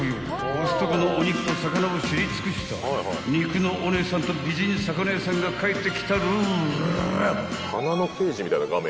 ［コストコのお肉と魚を知り尽くした肉のお姉さんと美人魚屋さんが帰ってきたルーラ］